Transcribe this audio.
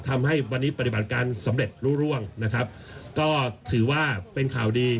ทำให้วันนี้ปฏิบัติการสำเร็จรู้ร่วงนะครับก็ถือว่าเป็นข่าวดี